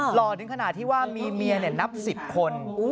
หล่อนเนี่ยขนาดที่ว่ามีเมียละ๑๐คน